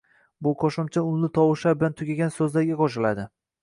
Bu qoʻshimcha unli tovushlar bilan tugagan soʻzlarga qoʻshiladi